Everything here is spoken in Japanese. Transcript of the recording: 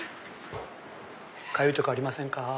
かゆいとこありませんか？